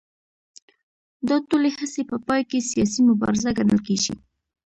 دا ټولې هڅې په پای کې سیاسي مبارزه ګڼل کېږي